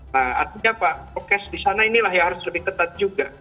nah artinya pak prokes di sana inilah yang harus lebih ketat juga